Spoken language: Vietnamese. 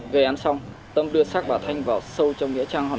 gây án xong tâm đưa sát bà thanh vào sâu trong nghĩa trang hòn một